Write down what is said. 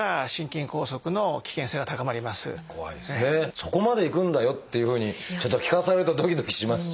そこまでいくんだよっていうふうに聞かされるとドキドキしますし。